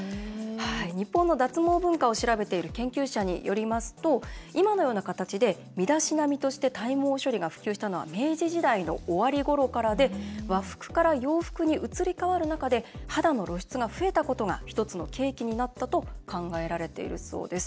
日本の脱毛文化を調べている研究者によりますと今のような形で身だしなみとして体毛処理が普及したのは明治時代の終わりごろからで和服から洋服に移り変わる中で肌の露出が増えたことが１つの契機になったと考えられているそうです。